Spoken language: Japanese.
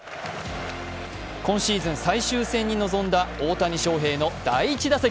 今シーズン最終戦に臨んだ大谷翔平の第１打席。